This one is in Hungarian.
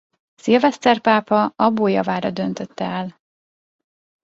Szilveszter pápa Abbo javára döntötte el.